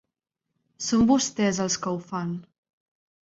Són vostès els que ho fan.